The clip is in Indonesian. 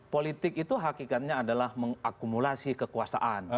politik itu hakikatnya adalah mengakumulasi kekuasaan